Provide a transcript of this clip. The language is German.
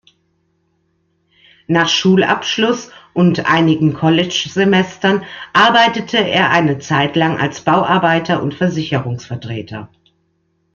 Nach Schulabschluss und einigen College-Semestern arbeitete er eine Zeitlang als Bauarbeiter und Versicherungsvertreter.